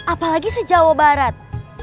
apalagi se jawa barat